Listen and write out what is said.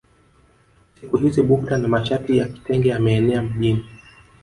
Siku hizi bukta na mashati ya kitenge yameenea mjini